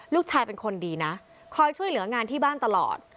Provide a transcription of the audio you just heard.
ลูกชายเป็นคนดีนะคอยช่วยเหลืองานที่บ้านตลอด